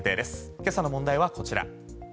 今朝の問題はこちら。